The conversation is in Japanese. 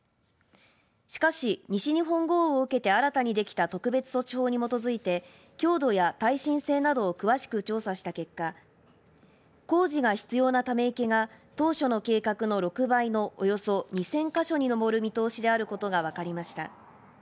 しかし西日本豪雨を受けて新たにできた特別法措置法に基づいて強度や耐震性などを詳しく調査した結果工事が必要なため池が当初の計画の６倍のおよそ２０００か所に上る見通しであることが分かりました。